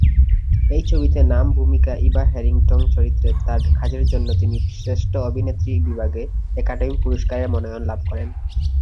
এই ছবিতে নাম ভূমিকা ইভা হ্যারিংটন চরিত্রে তার কাজের জন্য তিনি শ্রেষ্ঠ অভিনেত্রী বিভাগে একাডেমি পুরস্কারের মনোনয়ন লাভ করেন।